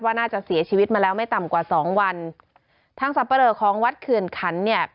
น่าจะเสียชีวิตมาแล้วไม่ต่ำกว่าสองวันทางสับปะเลอของวัดเขื่อนขันเนี่ย